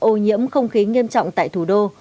ô nhiễm không khí nghiêm trọng tại thủ đô